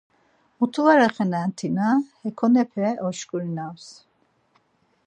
Mutu var axvenen tina ekonepe oşkurinaps.